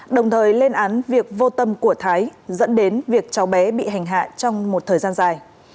đồng thời lên án việc vô tâm của thái dẫn đến việc cháu bé bị hành hạ trong một thời gian dài